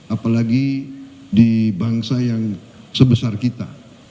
apalagi di bangsa yang sebesar kita